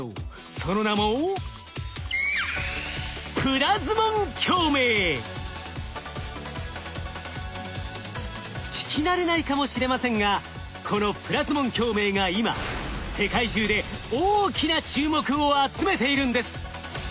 その名も聞き慣れないかもしれませんがこのプラズモン共鳴が今世界中で大きな注目を集めているんです。